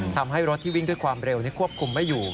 ทำให้รถที่วิ่งด้วยความเร็วควบคุมไม่อยู่